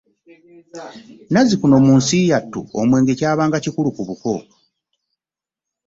Nazikuno mu nsi yattu omwenge kyabanga kikulu ku buko.